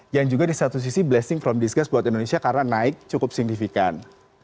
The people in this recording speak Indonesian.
yang juga di satu sisi blessing from disgue buat indonesia karena naik cukup signifikan